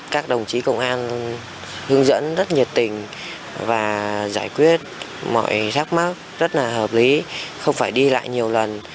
các đồng chí công an hướng dẫn rất nhiệt tình và giải quyết mọi thắc mắc rất là hợp lý không phải đi lại nhiều lần